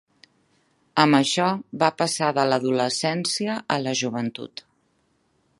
Amb això va passar de l'adolescència a la joventut.